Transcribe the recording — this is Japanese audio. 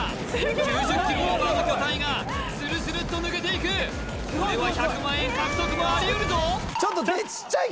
９０ｋｇオーバーの巨体がするするっと抜けていくこれは１００万円獲得もありうるぞ！